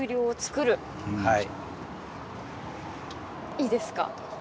いいですか。